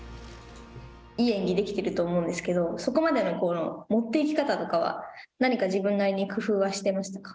いい演技ができていると思うんですけどそこまでの持っていき方とかは何か自分なりに工夫はしていましたか。